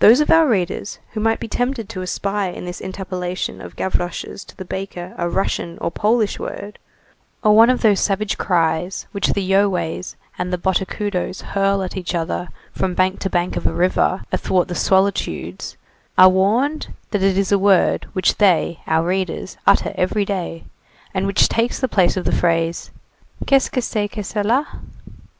Those of our readers who might be tempted to espy in this interpellation of Gavroche's to the baker a Russian or a Polish word, or one of those savage cries which the Yoways and the Botocudos hurl at each other from bank to bank of a river, athwart the solitudes, are warned that it is a word which they [our readers] utter every day, and which takes the place of the phrase: "Qu'est ce que c'est que cela?"